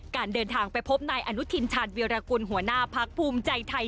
การเดินทางไปพบนายอนุทินชาติเวียรกุลหัวหน้าภาคภูมิใจไทย